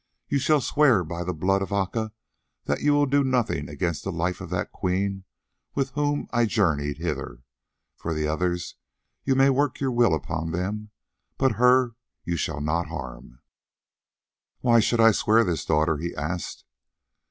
You shall swear by the blood of Aca that you will do nothing against the life of that Queen with whom I journeyed hither. For the others, you may work your will upon them, but her you shall not harm." "Why should I swear this, daughter?" he asked.